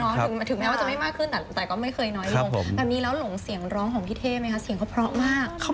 แต่ก็จะไม่น้อยลงเนาะ